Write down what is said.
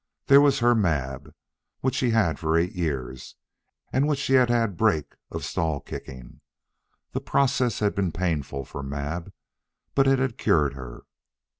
There was her Mab, which she had for eight years and which she had had break of stall kicking. The process had been painful for Mab, but it had cured her.